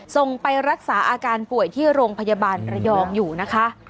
ส่งไปรักษาอาการป่วยที่โรงพยาบาลระยองอยู่นะคะ